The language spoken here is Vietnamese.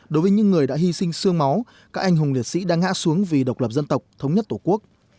đối với những người đã hy sinh xương máu các anh hùng liệt sĩ đang hạ xuống vì độc lập dân tộc thống nhất tổ quốc